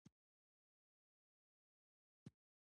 د کانټېنجنسي ټکي له پاره بار بار وضاحت غوښتۀ